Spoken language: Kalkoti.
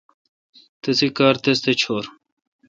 تسی کار تس تھ چور۔